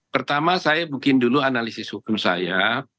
pertama saya bikin dulu analisis hukum saya